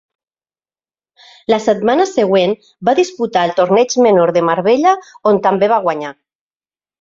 La setmana següent va disputar el torneig menor de Marbella on també va guanyar.